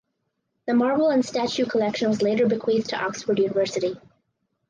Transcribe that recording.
The marble and statue collection was later bequeathed to Oxford University.